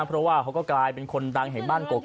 เพราะว่าเขาก็กลายเป็นคนดังแห่งบ้านกก